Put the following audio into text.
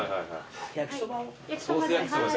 焼きそばを。